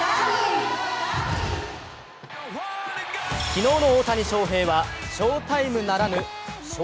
昨日の大谷翔平は翔タイムならぬ笑